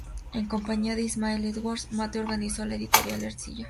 En compañía de Ismael Edwards Matte organizó la Editorial Ercilla.